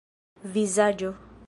vizaĝo